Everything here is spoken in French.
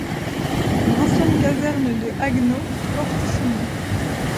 Une ancienne caserne de Haguenau porte son nom.